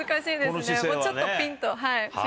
もうちょっとピンとします。